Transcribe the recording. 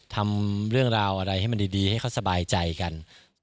ทำเรื่องราวอะไรให้มันดีให้เขาสบายใจกัน